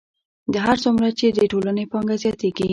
هر څومره چې د ټولنې پانګه زیاتېږي